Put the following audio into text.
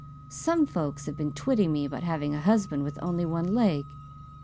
"Some folks have been twitting me about having a husband with only one leg.